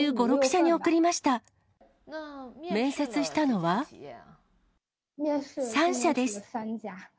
３社です。